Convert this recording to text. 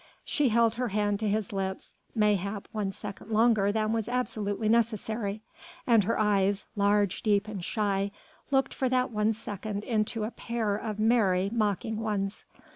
She held her hand to his lips, mayhap one second longer than was absolutely necessary, and her eyes, large, deep and shy, looked for that one second into a pair of merry, mocking ones.